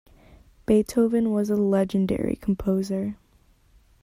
Beethoven was a legendary composer.